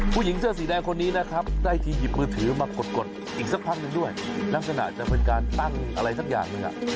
ผู้หญิงเสื้อสีแดงคนนี้นะครับได้ที่หยิบมือถือมากดกกดอีกสักครั้งนึงด้วยแล้วจะอาจจะเป็นการตั้งอะไรสักอย่างเลย่่ะ